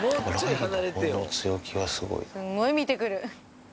すんごい見て来る。